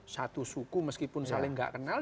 satu suku meskipun saling nggak kenal